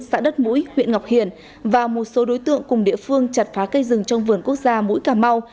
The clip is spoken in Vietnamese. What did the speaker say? xã đất mũi huyện ngọc hiển và một số đối tượng cùng địa phương chặt phá cây rừng trong vườn quốc gia mũi cà mau